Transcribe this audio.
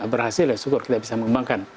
berhasil ya syukur kita bisa mengembangkan